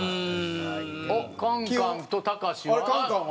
カンカンとタカシは。